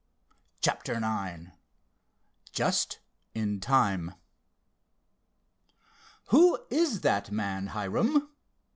CHAPTER IX JUST IN TIME "Who is that man, Hiram?"